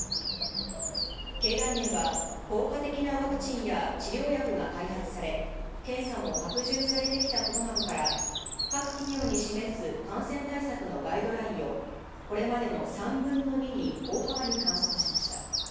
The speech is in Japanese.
経団連は、効果的なワクチンや治療薬が開発され、検査も拡充されてきたことなどから、各企業に示す感染対策のガイドラインを、これまでの３分の２に大幅に簡素化しました。